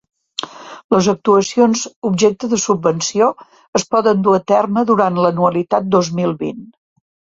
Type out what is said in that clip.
Les actuacions objecte de subvenció es poden dur a terme durant l'anualitat dos mil vint.